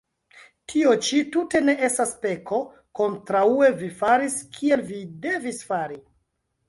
Tio ĉi tute ne estas peko; kontraŭe, vi faris, kiel vi devis fari.